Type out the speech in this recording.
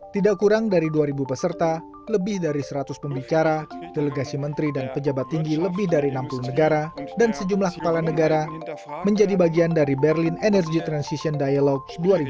tidak kurang dari dua peserta lebih dari seratus pembicara delegasi menteri dan pejabat tinggi lebih dari enam puluh negara dan sejumlah kepala negara menjadi bagian dari berlin energy transition dialogue dua ribu dua puluh